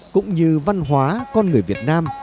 cũng như văn hóa con người việt nam